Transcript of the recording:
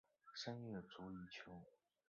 三月卒于琼。